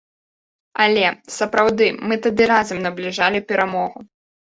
Але, сапраўды, мы тады разам набліжалі перамогу.